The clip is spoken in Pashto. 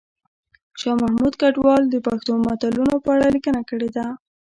شاه محمود کډوال د پښتو متلونو په اړه لیکنه کړې ده